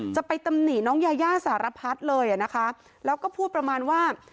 จะไปตำหนิน้องยายาสารพัดเลยอ่ะนะคะแล้วก็พูดประมาณว่า